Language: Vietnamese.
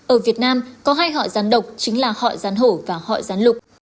ở việt nam có hai họ rắn độc chính là họ rắn hổ và họ rắn lục